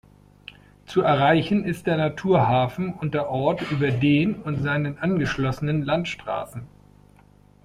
Zu erreichen ist der Naturhafen und der Ort über den und seinen angeschlossenen Landstraßen.